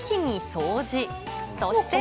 そして。